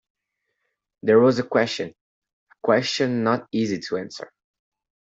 There was a question — a question not easy to answer.